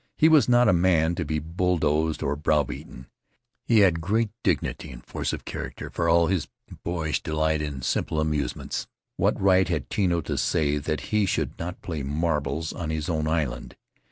He was not a man to be bull dozed or browbeaten. He had great dignity and force of character, for all his boyish delight in simple amuse ments. What right had Tino to say that he should not play marbles on his own island?